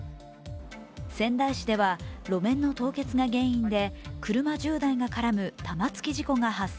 仙台市では路面の凍結が原因で車１０台が絡む玉突き事故が発生。